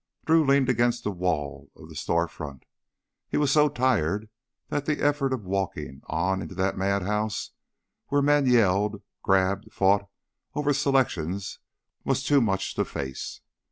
Drew leaned against the wall of the store front. He was so tired that the effort of walking on into that madhouse, where men yelled, grabbed, fought over selections, was too much to face.